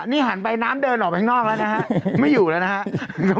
นี่หันไปน้ำเดินออกไปข้างนอกแล้วนะฮะไม่อยู่แล้วนะครับ